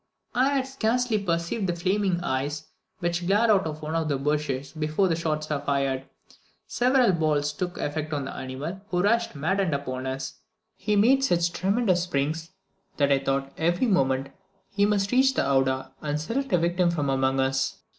I had scarcely perceived the flaming eyes which glared out of one of the bushes before shots were fired. Several balls took effect on the animal, who rushed, maddened, upon us. He made such tremendous springs, that I thought every moment he must reach the howdah and select a victim from among us.